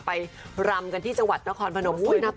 รำกันที่จังหวัดนครพนม